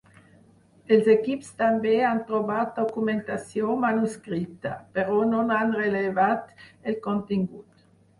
Els equips també han trobat documentació manuscrita, però no n’han revelat el contingut.